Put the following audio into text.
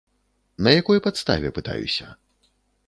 На якой падставе, пытаюся.